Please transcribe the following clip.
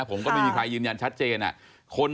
ผมก็ไม่มีใครยืนยันชัดเจน